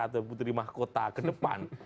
atau putri mahkota ke depan